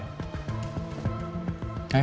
terima kasih mbak ya